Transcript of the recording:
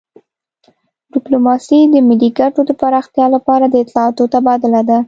ډیپلوماسي د ملي ګټو د پراختیا لپاره د اطلاعاتو تبادله ده